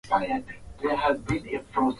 Nivonedha tongo ntana utukudhiwa kwa taa.